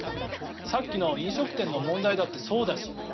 さっきの飲食店の問題だってそうだし。